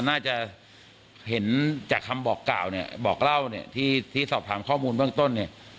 น่าจะเห็นจากคำบอกกล่าวบอกเล่าที่สอบถามข้อมูลเบื้องต้น